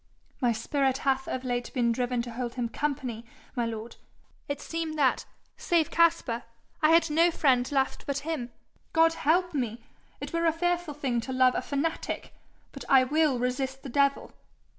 'My spirit hath of late been driven to hold him company, my lord. It seemed that, save Caspar, I had no friend left but him. God help me! it were a fearful thing to love a fanatic! But I will resist the devil.'